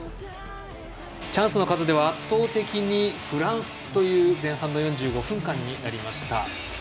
チャンスの数では圧倒的にフランスという前半の４５分間になりました。